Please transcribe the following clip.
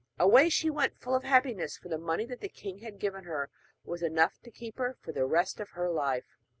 Away she went full of happiness; for the money that the king had given her was enough to keep her for the rest of her life.